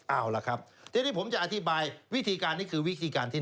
เอาล่ะครับทีนี้ผมจะอธิบายวิธีการนี้คือวิธีการที่